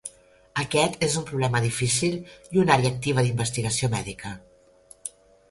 Aquest és un problema difícil i una àrea activa d'investigació mèdica.